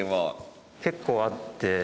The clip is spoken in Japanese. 結構あって。